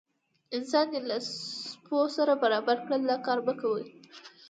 انسان دې له سپو سره برابر کړل دا کار مه کوه.